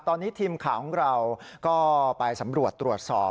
ตอนนี้ทีมข่าวของเราก็ไปสำรวจตรวจสอบ